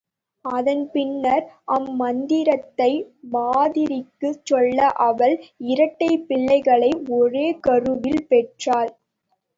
அதன் பின்னர் அம்மந்திரத்தை மாத்திரிக்குச் சொல்ல அவள் இரட்டைப் பிள்ளைகளை ஒரேகருவில் பெற்றாள்.